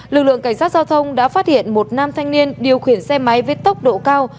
lực lượng cảnh sát giao thông đã phát hiện một nam thanh niên điều khiển xe máy với tốc độ cao